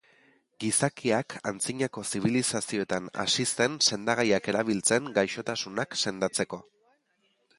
Gizakiak antzinako zibilizazioetan hasi zen sendagaiak erabiltzen gaixotasunak sendatzeko.